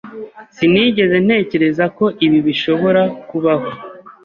Sinigeze ntekereza ko ibi bishobora kubaho.